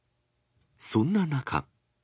そんな中。